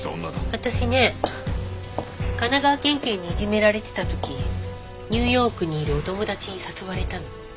私ね神奈川県警にいじめられてた時ニューヨークにいるお友達に誘われたの。